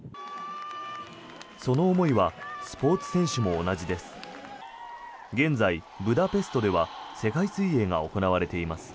その思いはスポーツ選手も同じです。